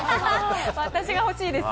私が欲しいです。